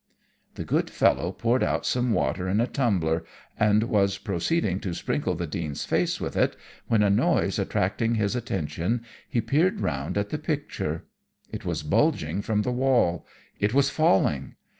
"The good fellow poured out some water in a tumbler, and was proceeding to sprinkle the Dean's face with it, when, a noise attracting his attention, he peered round at the picture. It was bulging from the wall; it was falling!